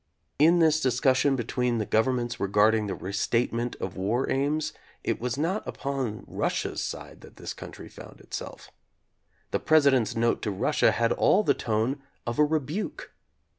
In this discussion between the Gov ernments regarding the restatement of war aims, it was not upon Russia's side that this country found itself. The President's note to Russia had all the tone of a rebuke.